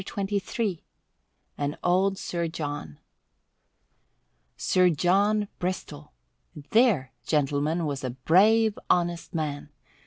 CHAPTER XXIII AND OLD SIR JOHN Sir John Bristol! There, gentlemen, was a brave, honest man!